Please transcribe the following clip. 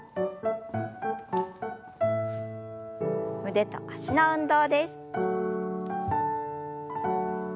腕と脚の運動です。